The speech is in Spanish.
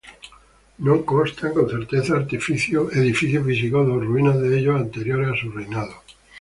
No constan con certeza edificios visigodos o ruinas de ellos anteriores a su reinado.